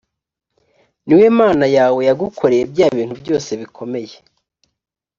ni we mana yawe yagukoreye bya bintu byose bikomeye